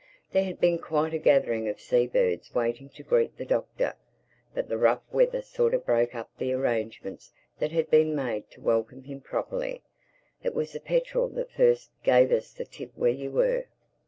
There had been quite a gathering of sea birds waiting to greet the Doctor; but the rough weather sort of broke up the arrangements that had been made to welcome him properly. It was the petrel that first gave us the tip where you were."